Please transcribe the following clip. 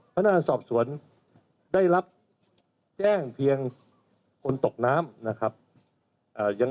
พนักงานสอบสวนได้รับแจ้งเพียงคนตกน้ำนะครับ